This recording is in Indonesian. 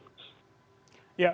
ya paling tidak